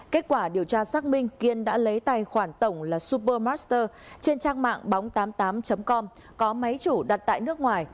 kết quả điều tra xác minh kiên đã lấy tài khoản tổng là super master trên trang mạng bóng tám mươi tám com có máy chủ đặt tại nước ngoài